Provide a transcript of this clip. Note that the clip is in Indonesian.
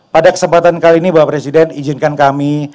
pada kesempatan kali ini bapak presiden izinkan kami